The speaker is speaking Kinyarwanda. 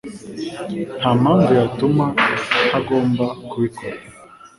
Nta mpamvu yatuma ntagomba kubikora.